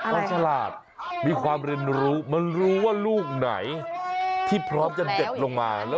มันฉลาดมีความเรียนรู้มันรู้ว่าลูกไหนที่พร้อมจะเด็ดลงมา